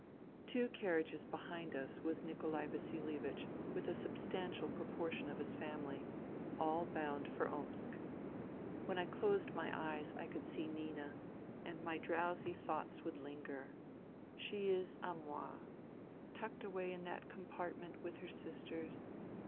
Two carriages behind us was Nikolai Vasilievich with a substantial proportion of his family, all bound for Omsk. When I closed my eyes I could see Nina, and my drowsy thoughts would linger :" She is d. moi, ... Tucked away in that compart ment with her sisters.